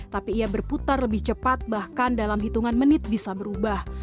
tapi ia berputar lebih cepat bahkan dalam hitungan menit bisa berubah